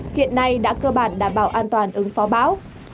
hiện nay đã cơ bản đảm bảo an toàn ứng phó bão